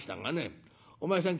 お前さん